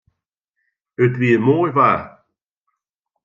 It wie moai waar.